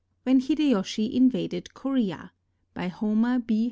WHEN HIDEYOSHI INVADED KOREA BY HOMER B.